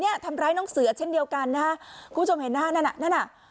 ทำร้ายน้องเสือเช่นเดียวกันนะฮะคุณผู้ชมเห็นหน้านั่นน่ะนั่นอ่ะ